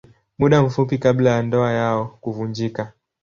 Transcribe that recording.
Muda mfupi kabla ya ndoa yao kuvunjika.